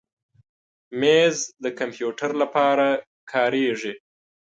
مېز د کمپیوټر لپاره کارېږي.